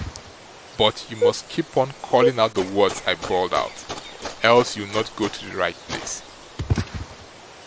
But you must keep on calling out the words I bawled out, else you'll not go to the right place."